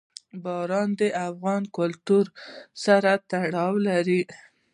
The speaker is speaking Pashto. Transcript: باران د افغان کلتور سره تړاو لري.